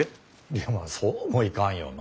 いやまあそうもいかんよなあ？